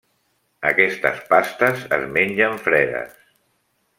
Aquestes pastes es mengen fredes.